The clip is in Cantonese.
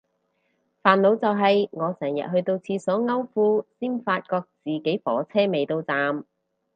煩惱就係我成日去到廁所摳褲先發覺自己火車未到站